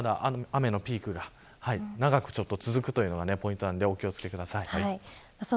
この後また雨のピークが長く続くというのがポイントなのでお気を付けください。